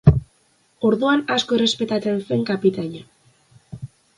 Orduan asko errespetatzen zen kapitaina.